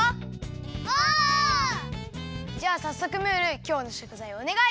じゃあさっそくムールきょうのしょくざいをおねがい！